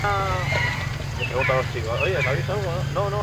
Han ospitaletan administratzaile bezala lan egin zuen.